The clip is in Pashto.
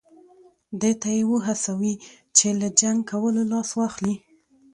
دې ته یې وهڅوي چې له جنګ کولو لاس واخلي.